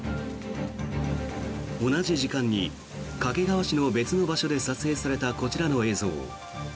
同じ時間に掛川市の別の場所で撮影されたこちらの映像。